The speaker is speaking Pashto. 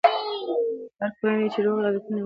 هره کورنۍ چې روغ عادتونه ولري، درملنې ته نه مجبوره کېږي.